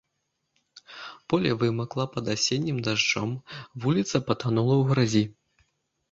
Поле вымакла пад асеннім дажджом, вуліца патанула ў гразі.